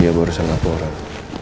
dia baru saja laporan